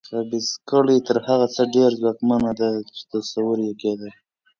خبیثه کړۍ تر هغه څه ډېره ځواکمنه ده چې تصور یې کېده.